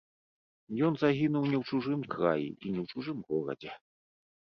Ён загінуў не ў чужым краі, і не ў чужым горадзе.